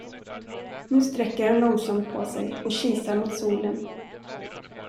Nu sträcker han långsamt på sig och kisar mot solen.